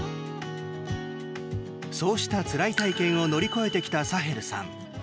そうした、つらい体験を乗り越えてきたサヘルさん。